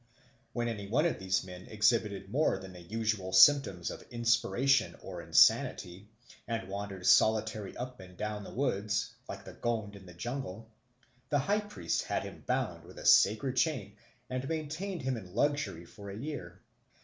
When one of these men exhibited more than usual symptoms of inspiration or insanity, and wandered solitary up and down the woods, like the Gond in the jungle, the high priest had him bound with a sacred chain and maintained him in luxury for a year.